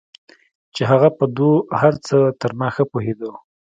چې هغه په دو هرڅه تر ما ښه پوهېدو.